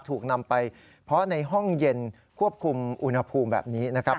ถูกนำไปเพาะในห้องเย็นควบคุมอุณหภูมิแบบนี้นะครับ